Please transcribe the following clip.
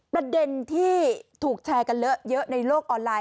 ประเด็นที่ถูกแชร์กันเลอะเยอะในโลกออนไลน